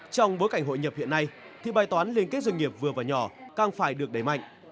trong bối cảnh hội nhập hiện nay thì bài toán liên kết doanh nghiệp vừa và nhỏ càng phải được đẩy mạnh